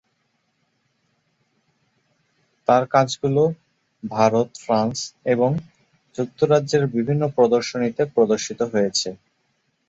তাঁর কাজগুলো ভারত, ফ্রান্স এবং যুক্তরাজ্যের বিভিন্ন প্রদর্শনীতে প্রদর্শিত হয়েছে।